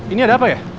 ini ada apa ya